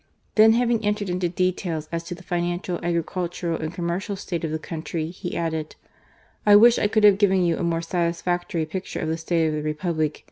Then having entered into details as to the financial, agricultural, and commercial state of the country, he added :" I wish I could have given you a more satisfactory picture of the state of the Republic.